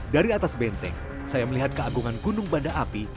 dari atas benteng saya melihat keagungan gunung banda api